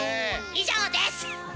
以上です！